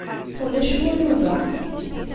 Ulac walu da.